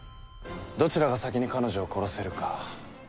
どちらが先に彼女を殺せるか。